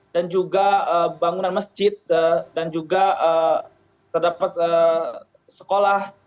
dan juga bangunan masjid dan juga terdapat sekolah